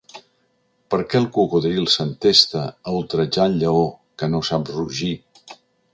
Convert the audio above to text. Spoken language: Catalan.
Per què el cocodril s’entesta a ultratjar el lleó, que no sap rugir?